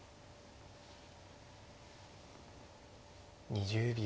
２０秒。